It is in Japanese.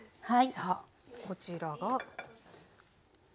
さあこちらが。